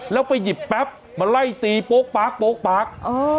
แล้วไปหยิบแป๊บมาไล่ตีโป๊กปากโป๊กปากเออ